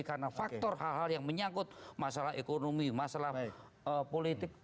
karena faktor hal hal yang menyangkut masalah ekonomi masalah politik